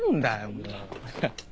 もう。